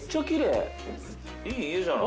・いい家じゃない。